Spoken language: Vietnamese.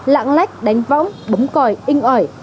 lạng lách đánh võng bấm còi inh ỏi